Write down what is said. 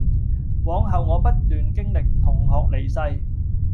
往後我不斷經歷同學離世